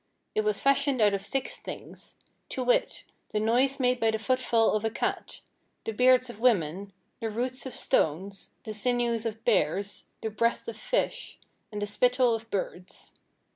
It was fashioned out of six things; to wit, the noise made by the footfall of a cat; the beards of women; the roots of stones; the sinews of bears; the breath of fish; and the spittle of birds.